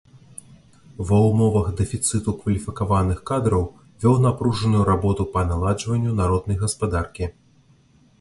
Ва ўмовах дэфіцыту кваліфікаваных кадраў вёў напружаную работу па наладжванню народнай гаспадаркі.